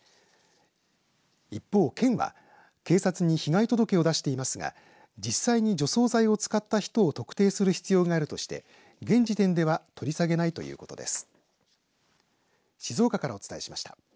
一方、県は警察に被害届を出していますが実際に除草剤を使った人を特定する必要があるとして現時点では取り下げないということです。